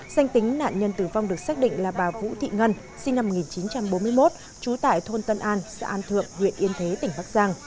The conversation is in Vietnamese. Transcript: danh tính nạn nhân tử vong được xác định là bà vũ thị ngân sinh năm một nghìn chín trăm bốn mươi một trú tại thôn tân an xã an thượng huyện yên thế tỉnh bắc giang